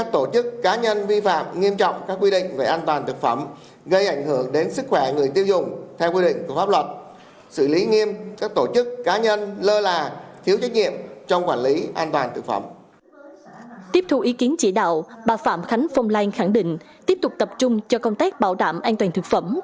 tiếp thu ý kiến chỉ đạo bà phạm khánh phong lan khẳng định tiếp tục tập trung cho công tác bảo đảm an toàn thực phẩm